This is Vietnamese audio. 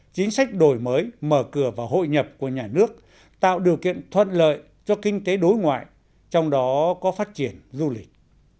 chính sách đổi mới mở cửa và hội nhập của nhà nước tạo điều kiện thuận lợi cho kinh tế đối ngoại trong đó có phát triển du lịch